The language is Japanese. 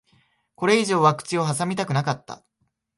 これ以上は口を挟みたくなかった。